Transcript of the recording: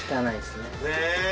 ねえ。